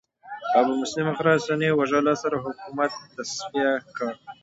ابومسلم خراساني وژلو سره حکومت تصفیه کړ